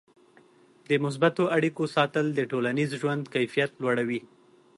د مثبتو اړیکو ساتل د ټولنیز ژوند کیفیت لوړوي.